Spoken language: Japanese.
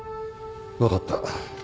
分かった。